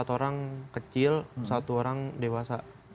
empat orang kecil satu orang dewasa